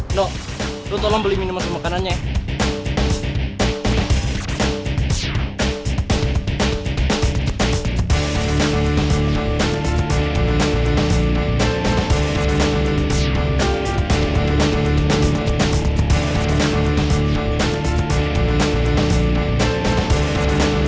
ndok lo tolong beli minuman dan makanannya